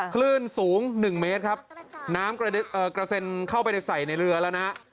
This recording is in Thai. คลื่นสูงหนึ่งเมตรครับน้ำกระเซ็นเข้าไปใส่ในเรือแล้วนะฮะ